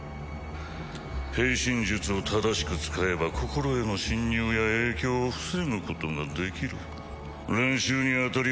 閉心術を正しく使えば心への侵入や影響を防ぐことができる練習にあたり